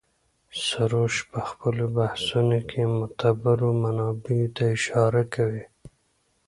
سروش په خپلو بحثونو کې معتبرو منابعو ته اشاره کوي.